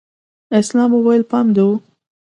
اسلام وويل پام دې و.